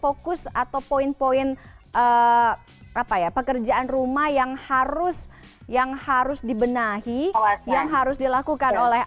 fokus fokus atau poin poin pekerjaan rumah yang harus dibenahi yang harus dilakukan oleh ahok